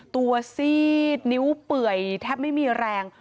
ซีดนิ้วเปื่อยแทบไม่มีแรง